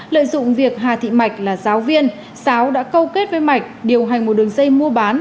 lợi dụng việc hà thị mạch là giáo viên sáo đã câu kết với mạch điều hành một đường dây mua bán